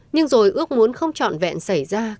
nhưng rồi ước muốn không chọn vẹn xảy ra